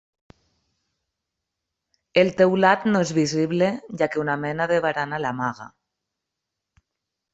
El teulat no és visible, ja que una mena de barana l'amaga.